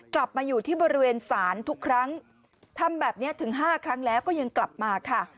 กลับมาอยู่ที่บริเวณศาลทุกครั้งทำแบบนี้ถึง๕ครั้งแล้วก็ยังกลับมาค่ะ